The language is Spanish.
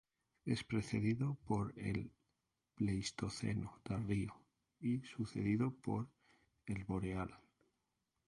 Es precedido por el Pleistoceno tardío y sucedido por el Boreal.